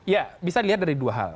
ya bisa dilihat dari dua hal